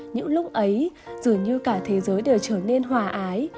những lúc ấy dường như cả thế giới đều trở nên hòa ái